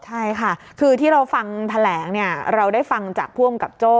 ใช่ค่ะคือที่เราฟังแถลงเนี่ยเราได้ฟังจากผู้อำกับโจ้